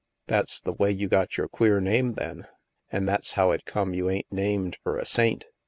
" That's the way you got your queer name then ? An' that's how it come you ain't named f er a saint